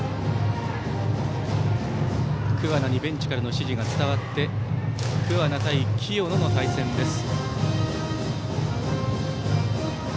桑名にベンチからの指示が伝わって桑名対清野の対戦です。